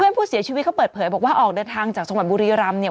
ผู้เสียชีวิตเขาเปิดเผยบอกว่าออกเดินทางจากจังหวัดบุรีรำเนี่ย